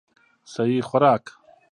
سهي خوراک